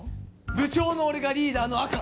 部長の俺がリーダーのアカ！